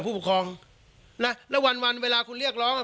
ผู้ปกครองนะแล้ววันวันเวลาคุณเรียกร้องอ่ะ